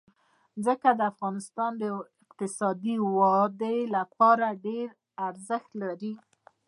ځمکه د افغانستان د اقتصادي ودې لپاره ډېر ارزښت لري.